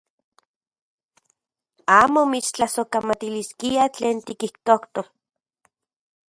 Amo mitstlasojkamatiliskia tlen tikijtojtok.